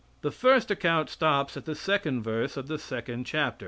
The first account stops at the second verse of the second chapter.